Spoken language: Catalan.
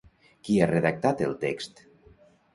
Qui ha redactat el text?